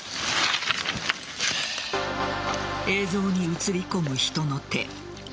映像に映り込む人の手。